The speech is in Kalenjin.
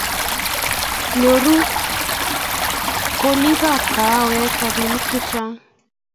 Nyoru kolikab kahawek robinik chechang